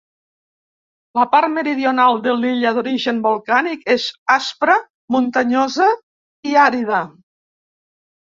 La part meridional de l'illa, d'origen volcànic, és aspra, muntanyosa i àrida.